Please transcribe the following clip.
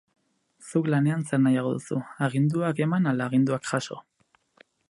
Zuk lanean zer nahiago duzu, aginduak eman ala aginduak jaso?